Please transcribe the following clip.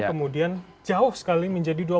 kemudian jauh sekali menjauh